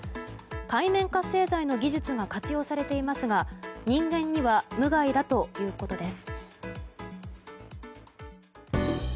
界面活性剤の技術が活用されていますが人間には無害だということです。